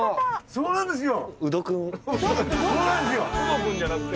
そうなんですよ。